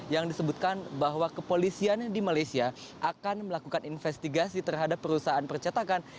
yang disebutkan bahwa kepolisian di malaysia akan melakukan investigasi terhadap perusahaan percetakan